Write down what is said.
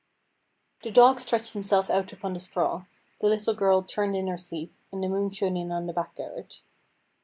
The dog stretched himself out upon the straw, the little girl turned in her sleep, and the moon shone in on the back garret.